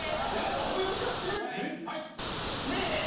そういう感じです。